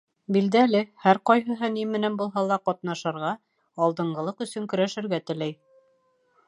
Билдәле, һәр ҡайһыһы ни менән булһа ла ҡатнашырға, алдынғылыҡ өсөн көрәшергә теләй.